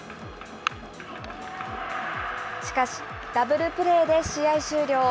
しかし、ダブルプレーで試合終了。